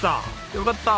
よかった。